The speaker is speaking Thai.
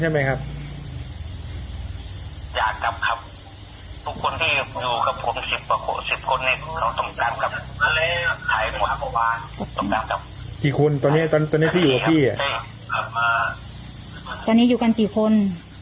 ตอนนี้ผมอยู่ที่เขาอยากให้ผมมาอยู่ภาคเหนืออยู่๑๐คนคนไทย